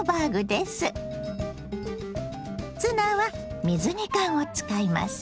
ツナは水煮缶を使います。